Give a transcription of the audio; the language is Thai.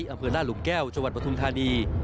อำเภอลาดหลุงแก้วจวัดปทุงธานี